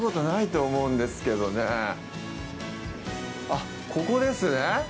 あっ、ここですね？